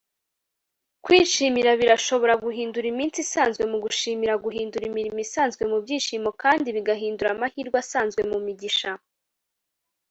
gushimira birashobora guhindura iminsi isanzwe mu gushimira, guhindura imirimo isanzwe mubyishimo, kandi bigahindura amahirwe asanzwe mumigisha